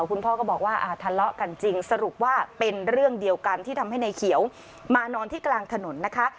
คุณพ่อก็บอกว่าทะเลาะกันจริงสรุปว่าเป็นเรื่องเดียวกันที่ทำให้นายเขียวมานอนที่กลางถนนนะคะ